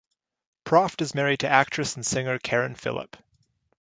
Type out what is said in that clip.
Proft is married to actress and singer Karen Philipp.